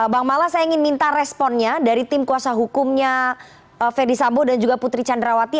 bang mala saya ingin minta responnya dari tim kuasa hukumnya verdi sambo dan juga putri candrawati